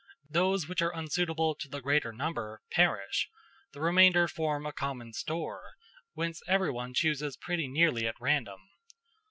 Those which are unsuitable to the greater number perish; the remainder form a common store, whence everyone chooses pretty nearly at random.